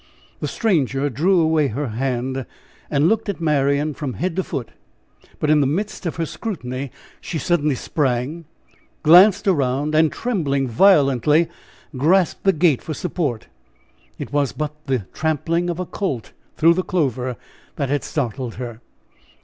The stranger drew away her hand and looked at Marian from head to foot. But in the midst of her scrutiny, she suddenly sprang, glanced around, and trembling violently, grasped the gate for support. It was but the tramping of a colt through the clover that had startled her.